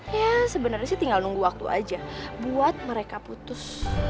ya sebenarnya sih tinggal nunggu waktu aja buat mereka putus